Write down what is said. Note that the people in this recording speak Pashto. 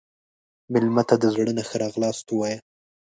مېلمه ته د زړه نه ښه راغلاست ووایه.